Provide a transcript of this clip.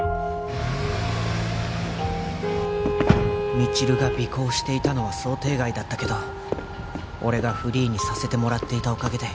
未知留が尾行していたのは想定外だったけど俺がフリーにさせてもらっていたおかげで運よく防げた